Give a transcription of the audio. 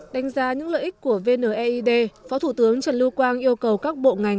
đánh giá những lợi ích của vne id phó thủ tướng trần lưu quang yêu cầu các bộ ngành